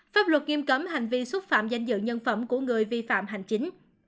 pháp luật nghiêm cấm hành vi xúc phạm danh dự nhân phẩm của người vi phạm hành chính